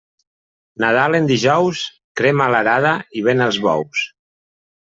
Nadal en dijous, crema l'arada i ven els bous.